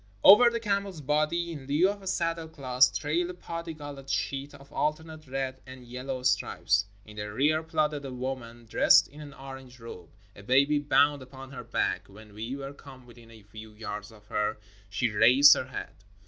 Over the camel's body, in lieu of a saddle cloth, trailed a parti colored sheet of alternate red and yellow stripes. In the rear plodded a woman dressed in an orange robe, a baby bound upon her back. When we were come within a few yards of her she raised her head.